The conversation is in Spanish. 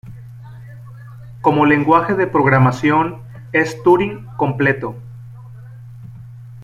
Como lenguaje de programación es Turing completo.